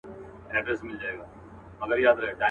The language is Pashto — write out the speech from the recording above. جهاني له چا به غواړو د خپل یار د پلونو نښي.